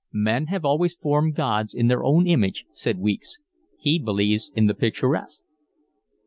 "Men have always formed gods in their own image," said Weeks. "He believes in the picturesque."